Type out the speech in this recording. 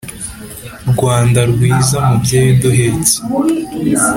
Rwanda rwiza mubyeyi uduhetse